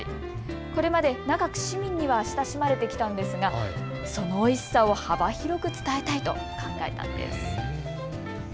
これまで長く市民には親しまれてきたんですがそのおいしさを幅広く伝えたいと考えたんです。